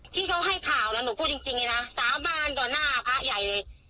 ที่เขาให้ข่าวน่ะหนูพูดจริงจริงนี่น่ะสาบานด่วนหน้าพระใหญ่เลย